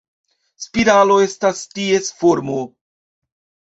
Spiralo estas ties formo.